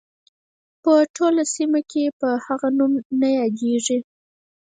په ټوله سیمه کې په هغه نوم نه یادیږي.